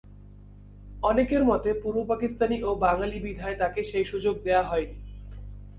অনেকের মতে পূর্ব পাকিস্তানি ও বাঙালি বিধায় তাকে সেই সুযোগ দেওয়া হয়নি।